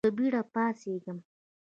په بېړه پاڅېږم .